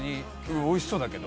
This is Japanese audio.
美味しそうだけど。